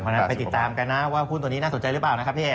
คำนำไปติดตามกันนะว่าพูดตอดนี้น่าสนใจหรือเปล่านะครับพี่เอก